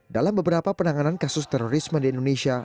dalam beberapa penanganan kasus terorisme di indonesia